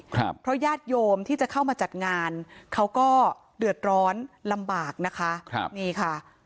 ครับเพราะญาติโยมที่จะเข้ามาจัดงานเขาก็เดือดร้อนลำบากนะคะครับนี่ค่ะ